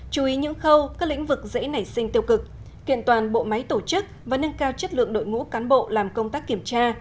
chú ý những khâu các lĩnh vực dễ nảy sinh tiêu cực kiện toàn bộ máy tổ chức và nâng cao chất lượng đội ngũ cán bộ làm công tác kiểm tra